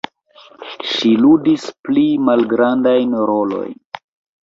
Ŝi ludis pli malgrandajn rolojn.